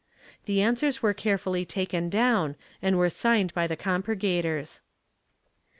The answers were carefully taken down and were signed by the com purgators.